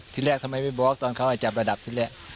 ที่แรกทำไมไม่บอกตอนเขาให้จับระดับที่แรก